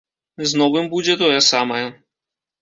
З новым будзе тое самае.